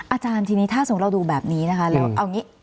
อาจารย์ทีนี้ถ้าสงค์เราดูแบบนี้